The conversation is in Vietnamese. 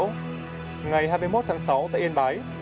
ngày hai mươi một tháng sáu tại yên bái